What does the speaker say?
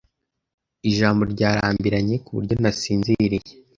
Ijambo ryarambiranye kuburyo nasinziriye.